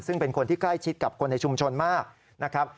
ซึ่งเป็นคนที่ใกล้ชิดกับคนในชุมชนมากนะครับ